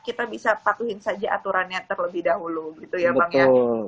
kita bisa patuhin saja aturannya terlebih dahulu gitu ya bang ya